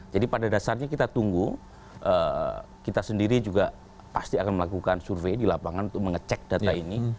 jadi pada dasarnya kita tunggu kita sendiri juga pasti akan melakukan survei di lapangan untuk mengecek data ini